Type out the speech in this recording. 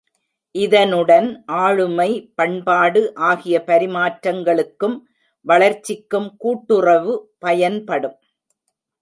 இதனுடன் ஆளுமை, பண்பாடு ஆகிய பரிமாற்றங்களுக்கும் வளர்ச்சிக்கும் கூட்டுறவு பயன்படும்.